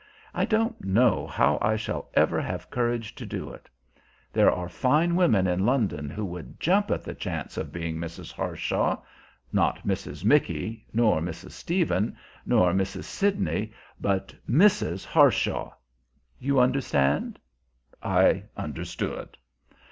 I don't know how I shall ever have courage to do it. There are fine women in London who would jump at the chance of being Mrs. Harshaw not Mrs. Micky, nor Mrs. Stephen, nor Mrs. Sidney, but Mrs. Harshaw, you understand?" I understood.